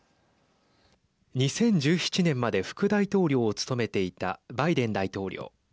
２０１７年まで副大統領を務めていたバイデン大統領。